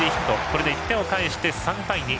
これで１点を返して３対２。